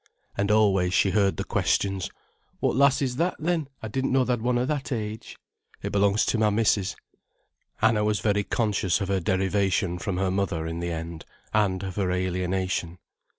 And always she heard the questions: "What lass is that, then? I didn't know tha'd one o' that age." "It belongs to my missis." Anna was very conscious of her derivation from her mother, in the end, and of her alienation.